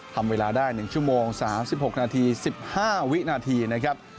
ทำเวลาได้๑ชั่วโมง๓๖นาที๑๕วินาทีนะครับ